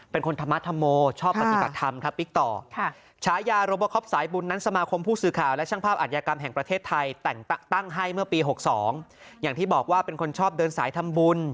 เป็นคนธรรมทวมชอบปฏิบัติธรรม